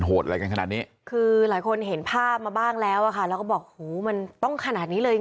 อะไรกันขนาดนี้คือหลายคนเห็นภาพมาบ้างแล้วอะค่ะแล้วก็บอกหูมันต้องขนาดนี้เลยจริง